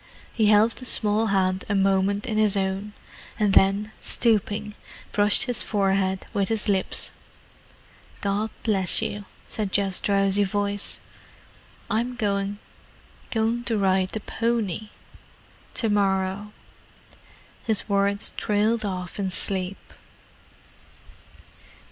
He held the small hand a moment in his own, and then, stooping, brushed his forehead with his lips. "God bless you," said Geoff's drowsy voice. "I'm going—going to ride the pony ... to morrow." His words trailed off in sleep.